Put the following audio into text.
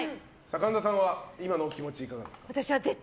神田さんは今のお気持ちいかがですか？